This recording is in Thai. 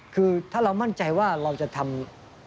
คือถ้าเรามั่นใจว่าเราจะทำ